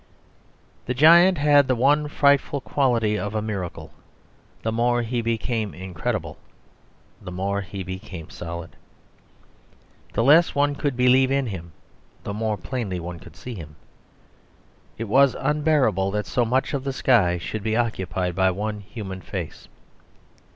The giant had the one frightful quality of a miracle; the more he became incredible the more he became solid. The less one could believe in him the more plainly one could see him. It was unbearable that so much of the sky should be occupied by one human face.